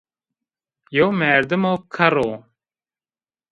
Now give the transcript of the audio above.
Yew merdimo kerr o